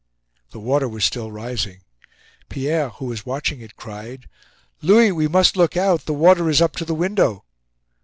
The water was still rising. Pierre, who was watching it, cried: "Louis, we must look out! The water is up to the window!"